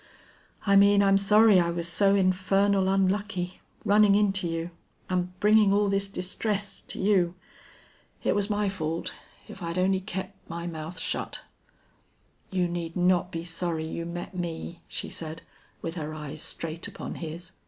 "I mean I'm sorry I was so infernal unlucky running into you and bringing all this distress to you. It was my fault. If I'd only kept my mouth shut!" "You need not be sorry you met me," she said, with her eyes straight upon his.